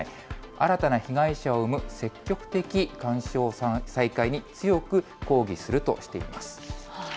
新たな被害者を生む積極的勧奨再開に強く抗議するとしています。